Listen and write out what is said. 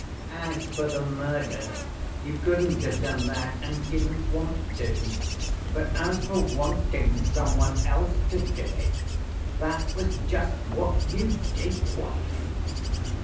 "As for the murder, you couldn't have done that and didn't want to, but as for wanting some one else to do it, that was just what you did want."